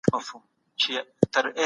د سرحدونو خلاصیدل تجارت ته وده ورکوي.